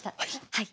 はい。